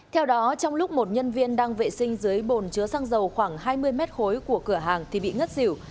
theo đó trong lúc một nhân viên đang vệ sinh dưới bồn chứa xăng dầu khoảng hai mươi mét khối của cửa hàng thì bị ngất xỉu